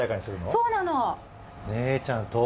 そうなの！